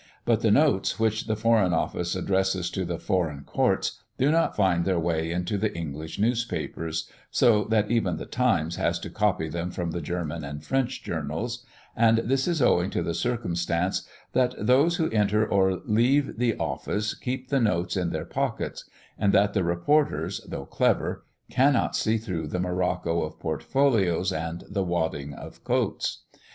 But the notes, which the Foreign Office addresses to the Foreign Courts, do not find their way into the English newspapers so that even the Times has to copy them from the German and French journals and this is owing to the circumstance, that those who enter or leave the office keep the notes in their pockets; and that the reporters, though clever, cannot see through the morocco of portfolios and the wadding of coats.